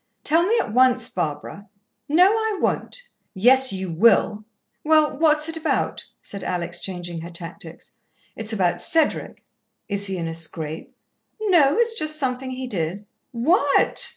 "Tell me at once, Barbara." "No, I won't." "Yes, you will. Well, what is it about?" said Alex, changing her tactics. "It's about Cedric." "Is he in a scrape?" "No, it's just something he did." "_What?